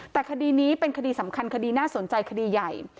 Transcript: แต่คดีนี้เป็นคดีสำคัญคดีน่าสนใจคดีใหญ่